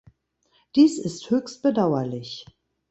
Dies ist höchst bedauerlich.